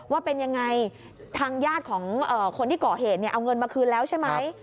ว่าเป็นอย่างไรทางญาติของคนที่กอเฮนเอาเงินมาคืนแล้วใช่ไหม